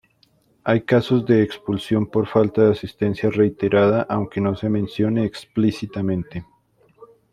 Hay casos de expulsión por falta de asistencia reiterada, aunque no se mencione explícitamente.